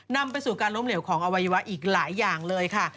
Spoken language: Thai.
นำไปสู่การล้มเหลวของอวัยวะอีกหลายอย่างเลยค่ะ